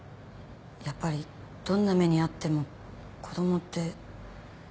やっぱりどんな目に遭っても子供って。